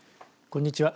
こんにちは。